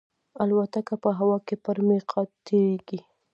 الوتکه په هوا کې پر میقات تېرېږي.